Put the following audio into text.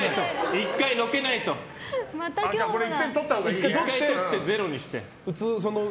１回とって、ゼロにして。